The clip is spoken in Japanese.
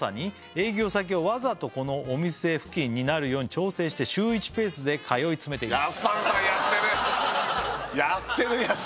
「営業先をわざとこのお店付近になるように調整して」「週１ペースで通い詰めています」